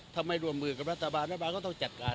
ถ้าไม่ร่วมมือกับรัฐบาลรัฐบาลก็ต้องจัดการ